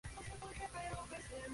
Se encuentra al norte de Java.